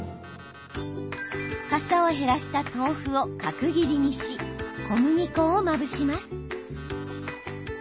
かさを減らした豆腐を角切りにし、小麦粉をまぶします。